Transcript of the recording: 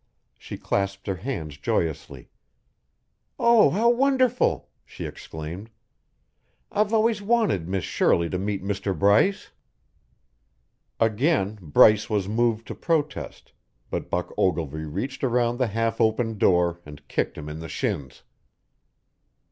She clasped her hands joyously. "Oh, how wonderful!" she exclaimed "I've always wanted Miss Shirley to meet Mr. Bryce." Again Bryce was moved to protest, but Buck Ogilvy reached around the half opened door and kicked him in the shins.